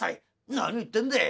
「何を言ってんでい。